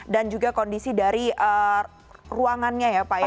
dan juga kondisi dari ruangannya ya pak